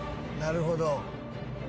なるほど。